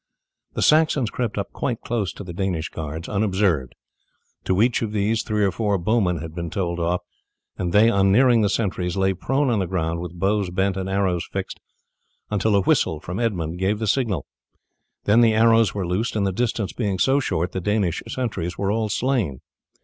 The Saxons crept up quite close to the Danish guards unobserved. To each of these three or four bowmen had been told off, and they, on nearing the sentries lay prone on the ground with bows bent and arrows fixed until a whistle from Edmund gave the signal. Then the arrows were loosed, and the distance being so short the Danish sentries were all slain.